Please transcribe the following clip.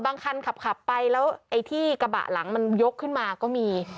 คันขับไปแล้วไอ้ที่กระบะหลังมันยกขึ้นมาก็มี